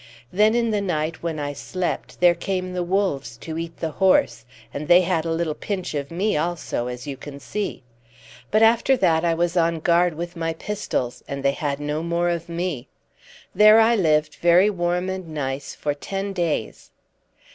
Then in the night, when I slept, there came the wolves to eat the horse, and they had a little pinch of me also, as you can see; but after that I was on guard with my pistols, and they had no more of me. There I lived, very warm and nice, for ten days."